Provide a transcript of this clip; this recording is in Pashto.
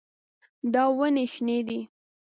دا ونې شنې دي.